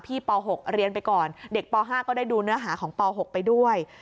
ป๖เรียนไปก่อนเด็กป๕ก็ได้ดูเนื้อหาของป๖ไปด้วย